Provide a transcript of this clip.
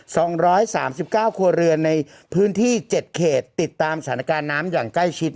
สองร้อยสามสิบเก้าครัวเรือนในพื้นที่เจ็ดเขตติดตามสถานการณ์น้ำอย่างใกล้ชิด